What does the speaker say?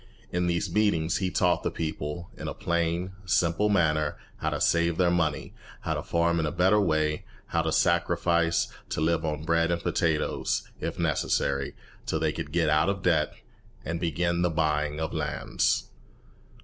In these meetings he taught the people, in a plain, simple manner, how to save their money, how to farm in a better way, how to sacrifice, to live on bread and potatoes, if necessary, till they could get out of debt, and begin the buying of lands.